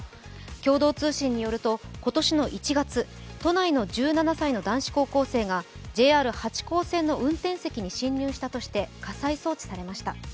共同通信によると今年の１月、都内の男子高校生がＪＲ八高線の運転席に侵入したとして家裁送致されました。